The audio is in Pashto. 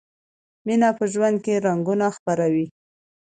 مینه په ژوند کې رنګونه خپروي.